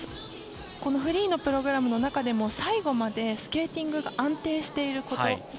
フリーのプログラムの中でも最後までスケーティングが安定していること。